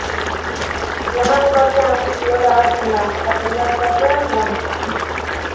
Lana bukatzean kirola hasten da eta kirola bukatzean lana.